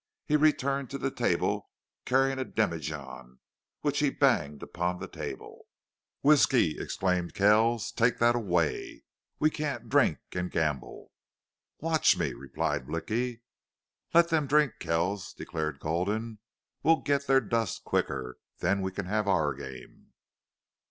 He returned to the table, carrying a demijohn, which he banged upon the table. "Whisky!" exclaimed Kells. "Take that away. We can't drink and gamble." "Watch me!" replied Blicky. "Let them drink, Kells," declared Gulden. "We'll get their dust quicker. Then we can have our game."